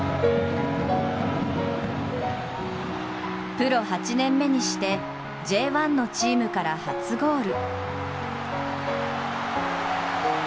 プロ８年目にして、Ｊ１のチームから初ゴール。